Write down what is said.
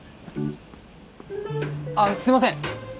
あっすいません。